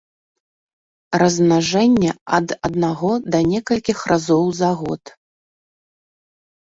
Размнажэнне ад аднаго да некалькіх разоў за год.